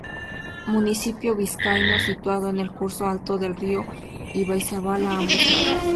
Municipio vizcaíno situado en el curso alto del río Ibaizábal, a ambos lados.